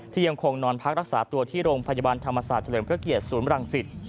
ยังคงนอนพักรักษาตัวที่โรงพยาบาลธรรมศาสตร์เฉลิมพระเกียรติศูนย์บรังสิต